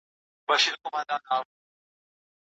جګړه د نوښت فرصتونه له منځه وړي.